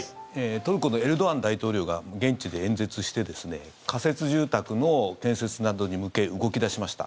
トルコのエルドアン大統領が現地で演説して仮設住宅の建設などに向け動き出しました。